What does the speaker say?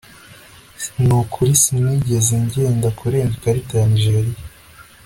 nukuri sinigeze ngenda kurenga ikarita ya nigeriya